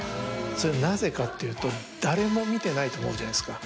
それはなぜかっていうと誰も見てないと思うじゃないですか